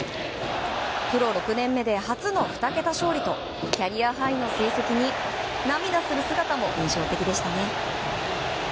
プロ６年目で初の２桁勝利とキャリアハイの成績に涙する姿も印象的でしたね。